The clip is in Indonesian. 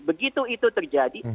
begitu itu terjadi